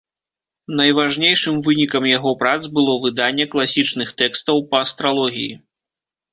Найважнейшым вынікам яго прац было выданне класічных тэкстаў па астралогіі.